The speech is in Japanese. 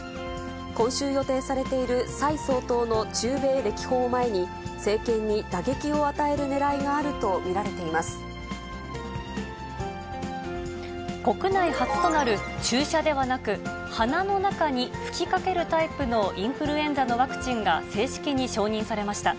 今週予定されている蔡総統の中米歴訪を前に、政権に打撃を与える国内初となる注射ではなく、鼻の中に吹きかけるタイプのインフルエンザのワクチンが正式に承認されました。